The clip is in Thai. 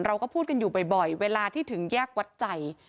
เราก็พูดกันอยู่บ่อยเวลาที่ถึงแยกวัดใจ